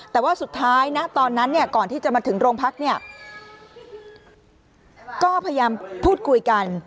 แต่ว่าสุดท้ายนะตอนนั้นเนี่ยก่อนที่จะมาถึงโรงพักเนี่ยก็พยายามพูดคุยกัน